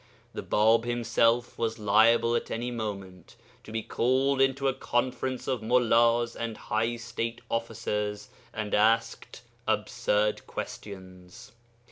The Bāb himself was liable at any moment to be called into a conference of mullas and high state officers, and asked absurd questions.